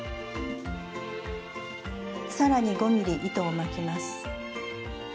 さらに５ｍｍ糸を巻きます。